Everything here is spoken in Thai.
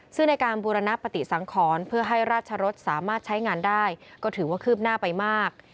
ซึ่งในการบูรณปฏิสังขรเพื่อให้ราชรสสามารถใช้งานได้ก็ถือว่าคืบหน้าไปมาก